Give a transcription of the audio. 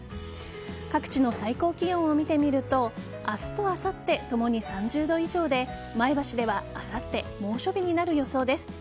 各地の最高気温を見てみると明日とあさって共に３０度以上で前橋では、あさって猛暑日になる予想です。